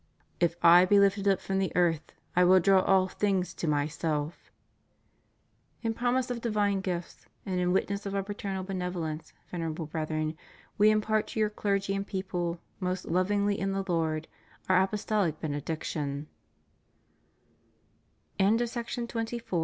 If I be lifted up from the earth, I will draw all things to Myself} In promise of divine gifts, and in witness of Our paternal benevolence, Venerable Brethren, We impart to your clergy and people most lovingly in the Lord Our Apostolic Ben^ di